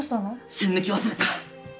栓抜き忘れた。